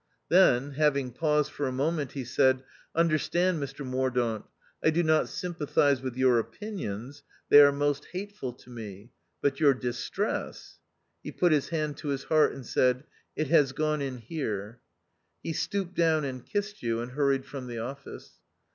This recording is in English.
Then, having paused for a moment, he said, " Un derstand, Mr Mordaunt, I do not sympathise with your opinions ; they are most hateful to me ; but your distress " He put his hand to his heart, and said, " it has gone in here." He stooped down and kissed you, and hurried from the office.